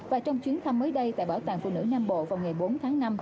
và trong chuyến thăm mới đây tại bảo tàng phụ nữ nam bộ vào ngày bốn tháng năm